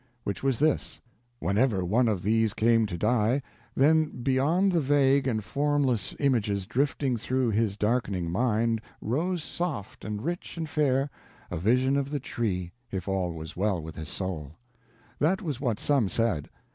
Which was this: whenever one of these came to die, then beyond the vague and formless images drifting through his darkening mind rose soft and rich and fair a vision of the Tree—if all was well with his soul. That was what some said.